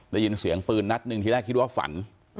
ได้ยินเสียงปืนนัดหนึ่งที่แรกคิดว่าฝัน